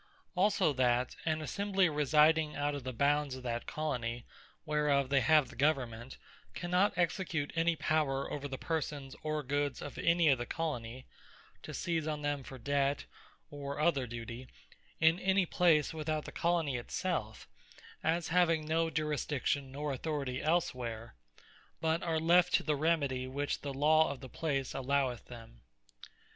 Also that an Assembly residing out of the bounds of that Colony whereof they have the government, cannot execute any power over the persons, or goods of any of the Colonie, to seize on them for debt, or other duty, in any place without the Colony it selfe, as having no Jurisdiction, nor Authoritie elsewhere, but are left to the remedie, which the Law of the place alloweth them.